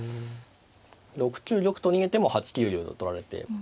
６九玉と逃げても８九竜と取られて。